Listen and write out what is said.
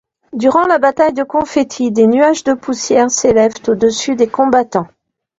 Durant la bataille de confettis, des nuages de poussières s'élèvent au-dessus des combattants.